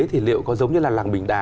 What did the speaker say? thì liệu có giống như làng bình đà